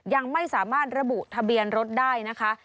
ยังไม่สามารถระบุทะเบียนรถได้นะคะ